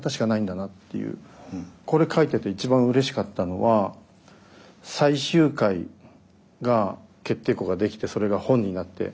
これ書いてて一番うれしかったのは最終回が決定稿が出来てそれが本になって。